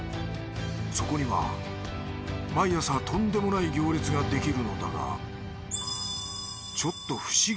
そこには毎朝とんでもない行列ができるのだがちょっと２名様。